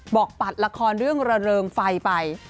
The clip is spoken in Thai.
ปัดละครเรื่องระเริงไฟไป